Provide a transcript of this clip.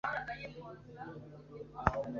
Twumva twicuza ishyari twabagiriye